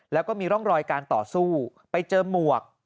แล้วก็มีร่องรอยการต่อสู้ไปเจอหมวก